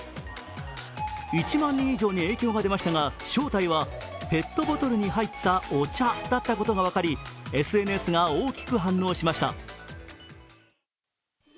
１万人以上に影響が出ましたが正体はペットボトルに入ったお茶だったことが分かりＳＮＳが大きく反応しました。